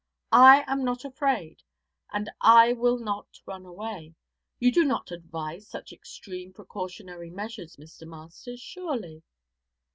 I am not afraid, and I will not run away. You do not advise such extreme precautionary measures, Mr. Masters, surely?'